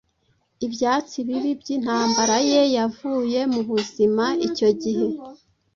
Ibyatsi bibi byintambara ye yavuye mu buzima icyo gihe